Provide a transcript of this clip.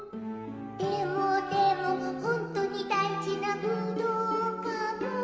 「でもでもほんとにだいじなぶどうかも？」